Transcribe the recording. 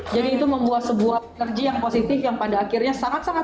jadi itu membuat sebuah energi yang positif yang pada akhirnya kita menanggap itu